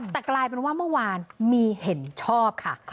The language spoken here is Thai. แต่กลายเป็นว่าเมื่อวานมีเห็นชอบค่ะ